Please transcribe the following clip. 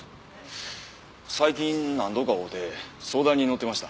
最近何度か会うて相談に乗ってました。